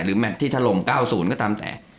หรือแมทที่ถลง๙๐ก็ตามแต่